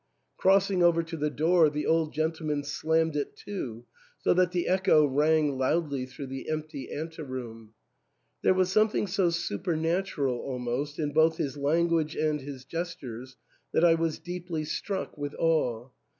Crossing over to the door, the old gentleman slammed it to, so that the echo rang loudly through the empty anteroom. There, was something so super natural almost in both his language and his gestures that I was deeply struck with awe.